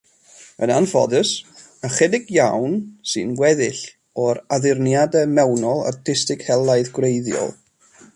Yn anffodus, ychydig iawn sy'n weddill o'r addurniadau mewnol artistig helaeth gwreiddiol.